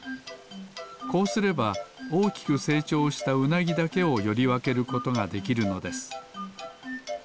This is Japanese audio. こうすればおおきくせいちょうしたウナギだけをよりわけることができるのです。